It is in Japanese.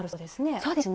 そうですね。